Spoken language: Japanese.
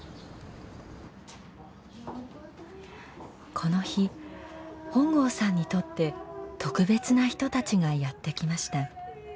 この日本郷さんにとって特別な人たちがやって来ました。